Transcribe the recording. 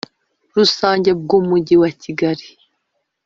Rusange bw umujyi wa kigali